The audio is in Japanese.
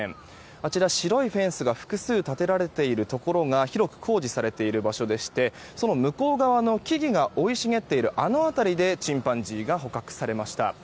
あちら、白いフェンスが複数立てられているところが広く工事されている場所でしてその向こう側の木々が生い茂っているあの辺りでチンパンジーが捕獲されました。